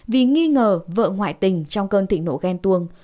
vì nghi ngờ vợ ngoại tình trong cơn thịnh nộ ghen tuồng